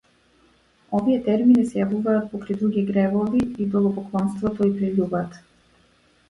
Овие термини се јавуваат покрај други гревови идолопоклонството и прељубата.